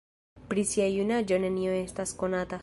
Pri sia junaĝo nenio estas konata.